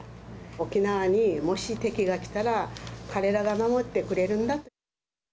沖縄にもし敵が来たら、彼らが守ってくれるんだと。